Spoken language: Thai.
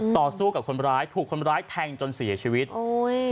ต่อสู้กับคนร้ายถูกคนร้ายแทงจนเสียชีวิตโอ้ย